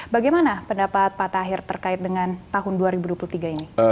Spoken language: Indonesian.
bagaimana pendapat pak tahir terkait dengan tahun dua ribu dua puluh tiga ini